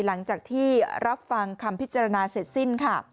หลังจากที่รับฟังคำพิจารณาเสร็จสิ้นค่ะ